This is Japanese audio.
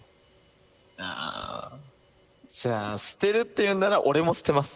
ああじゃあ捨てるっていうんなら俺も捨てます。